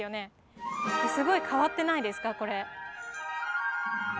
すごい変わってないですかこれ。